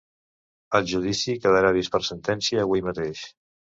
El judici quedarà vist per sentència avui mateix.